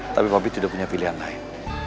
tapi papi itu udah punya pilihan lain